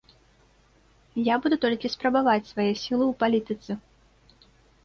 Я буду толькі спрабаваць свае сілы ў палітыцы.